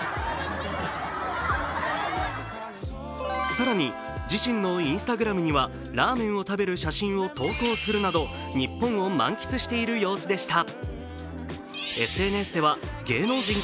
更に自身のＩｎｓｔａｇｒａｍにはラーメンを食べる写真を投稿するなど日本を満喫している様子でした。